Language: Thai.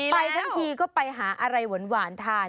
ไปทั้งทีก็ไปหาอะไรหวานทาน